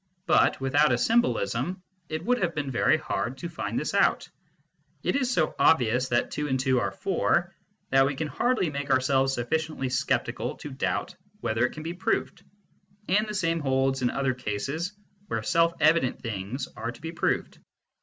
But without a symbolism it would have been very hard to find this out. It is so obvious that two and two are four, that we can hardly make ourselves sufficiently sceptical to doubt whether it can be proved. And the same holds in other cases where self evident things are to be proved.